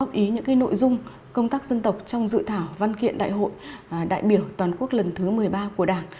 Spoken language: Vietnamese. ý những nội dung công tác dân tộc trong dự thảo văn kiện đại hội đại biểu toàn quốc lần thứ một mươi ba của đảng